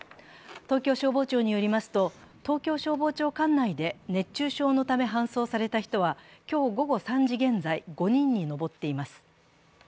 東京消防庁によりますと、東京消防庁管内で熱中症のため搬送された人は今日午後３時現在、５人に上っています。